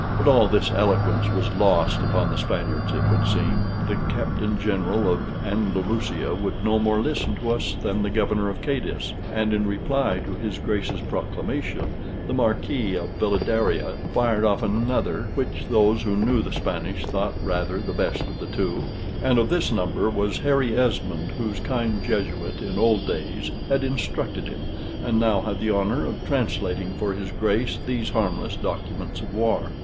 But all this eloquence was lost upon the Spaniards, it would seem: the Captain General of Andalusia would no more listen to us than the Governor of Cadiz; and in reply to his Grace's proclamation, the Marquis of Villadarias fired off another, which those who knew the Spanish thought rather the best of the two; and of this number was Harry Esmond, whose kind Jesuit in old days had instructed him, and now had the honor of translating for his Grace these harmless documents of war.